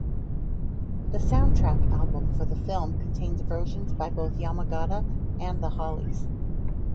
The soundtrack album for the film contains versions by both Yamagata and the Hollies.